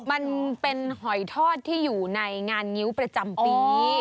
มันเป็นหอยทอดที่อยู่ในงานงิ้วประจำปี